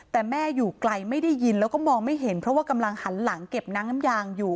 แต่แม่อยู่ไกลไม่ได้ยินแล้วก็มองไม่เห็นเพราะว่ากำลังหันหลังเก็บน้ำน้ำยางอยู่